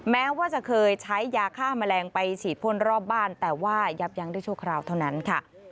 แม้ว่าจะเคยใช้ยาฆ่าแมลงไปฉีดพ่นรอบบ้านแต่ว่ายับยั้งด้วยชั่วคราวเท่านั้นค่ะ